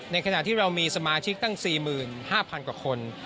ขณะที่เรามีสมาชิกตั้ง๔๕๐๐๐กว่าคน